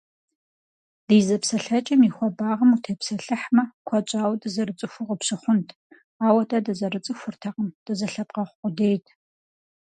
Ди зэпсэлъэкӏэм и хуэбагъым утепсэлъыхьмэ, куэд щӏауэ дызэрыцӏыхуу къыпщыхъунт, ауэ дэ дызэрыцӏыхуртэкъым дызэлъэпкъэгъу къудейт.